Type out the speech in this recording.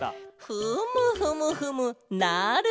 フムフムフムなるケロ！